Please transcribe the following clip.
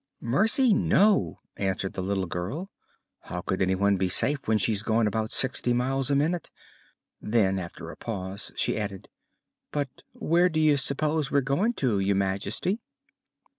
"Mercy, no!" answered the little girl. "How could anyone be safe when she's going about sixty miles a minute?" Then, after a pause, she added: "But where do you s'pose we're going to, Your Maj'sty?"